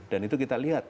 dan itu kita lihat